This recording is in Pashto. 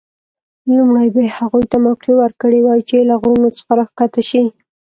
لومړی به یې هغوی ته موقع ورکړې وای چې له غرونو څخه راښکته شي.